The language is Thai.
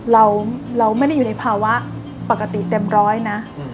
เราไม่ได้อยู่ในภาวะปกติเต็มร้อยนะ